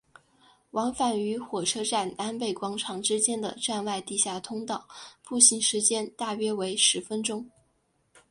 往返于火车站南北广场之间的站外地下通道步行时间大约为十分钟。